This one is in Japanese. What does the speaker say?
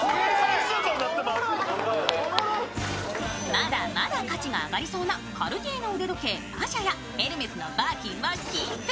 まだまだ価値が上がりそうなカルティエの腕時計パシャやエルメスのバーキンはキープ。